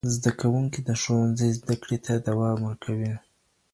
زدهکوونکي د ښوونځي زدهکړې ته دوام ورکوي.